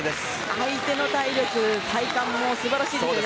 相手の体力、体幹も素晴らしいですよね。